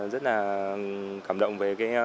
rất là cảm động về cái